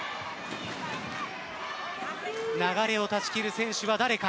流れを断ち切る選手は誰か。